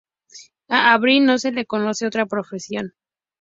A Avril no se le conoce otra profesión.